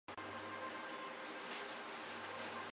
科林蒂安队的主场位于该体育场。